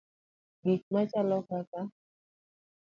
Gik machalo kaka